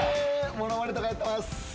物まねとかやってます。